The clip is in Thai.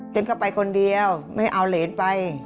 เต็มเข้าไปคนเดียวไม่เอาเหรียญไป